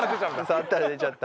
触ったら出ちゃった。